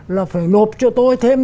là phải nộp cho tôi thêm